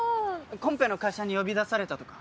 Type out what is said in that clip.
コンペの会社に呼び出されたとか？